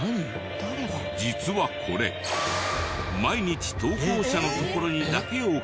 実はこれ毎日投稿者のところにだけ置かれている。